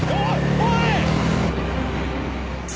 おい！